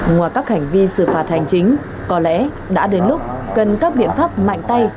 ngoài các hành vi xử phạt hành chính có lẽ đã đến lúc cần các biện pháp mạnh tay